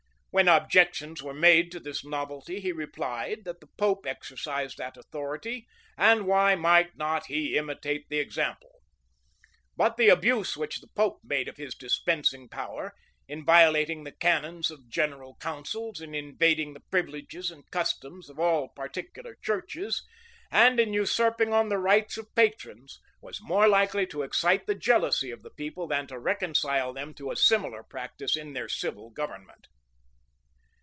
When objections were made to this novelty, he replied that the pope exercised that authority, and why might not he imitate the example? But the abuse which the pope made of his dispensing power, in violating the canons of general councils, in invading the privileges and customs of all particular churches, and in usurping on the rights of patrons, was more likely to excite the jealousy of the people than to reconcile them to a similar practice in their civil government.